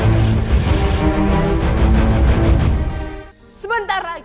officer sebaliknya selalu